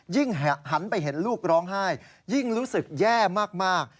หันไปเห็นลูกร้องไห้ยิ่งรู้สึกแย่มาก